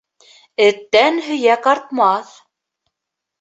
Эттән һөйәк артмаҫ.